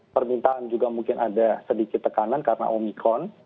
permintaan juga mungkin ada sedikit tekanan karena omikron